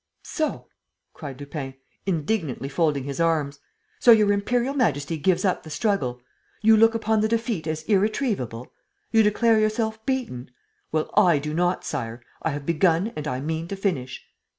..." "So!" cried Lupin, indignantly folding his arms. "So your Imperial Majesty gives up the struggle? You look upon the defeat as irretrievable? You declare yourself beaten? Well, I do not, Sire. I have begun and I mean to finish."